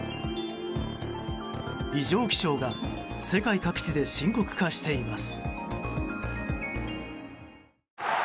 異常気象が世界各地で深刻化しています。